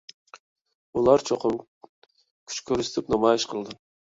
ئۇلار چوقۇم كۈچ كۆرسىتىپ نامايىش قىلىدۇ.